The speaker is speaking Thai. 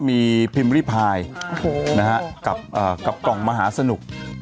มีภิมรี่พายโอ้โหนะฮะเอ่อกลับอ่ากลับกล่องมาหาสนุก